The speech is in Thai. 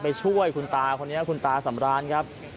ไปช่วยคุณตาคนนี้นะครับคุณตาสำรร้านครับ